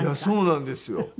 そうなんですよ。